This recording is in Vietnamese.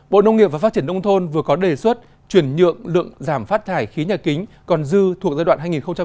bộ nông nghiệp và phát triển đông thôn vừa có đề xuất chuyển nhượng lượng giảm phát thải khí nhà kính còn dư thuộc giai đoạn hai nghìn hai mươi